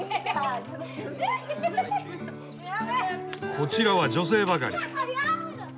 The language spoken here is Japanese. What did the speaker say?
こちらは女性ばかり。